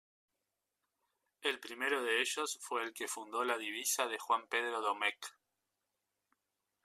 El primero de ellos fue el que fundó la divisa de Juan Pedro Domecq.